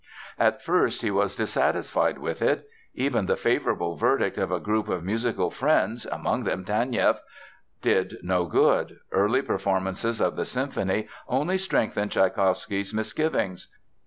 At first he was dissatisfied with it. Even the favorable verdict of a group of musical friends, among them Taneieff, did no good. Early performances of the symphony only strengthened Tschaikowsky's misgivings.